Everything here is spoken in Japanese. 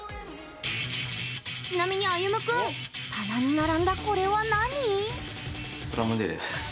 ちなみに、あゆむ君棚に並んだ、これは何？